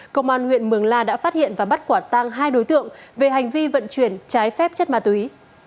công an huyện mường la đã phát hiện và bắt quả tang hai đối tượng về hành vi vận chuyển trái phép chất ma túy